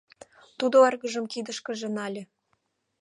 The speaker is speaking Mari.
Тудо эргыжым кидышкыже нале.